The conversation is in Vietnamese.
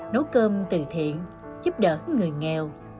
nấu cơm từ thiện giúp đỡ người nghèo